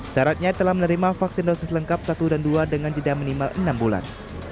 syaratnya telah menerima vaksin dosis lengkap satu dan dua dengan jeda minimal enam bulan